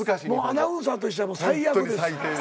アナウンサーとしては最悪です。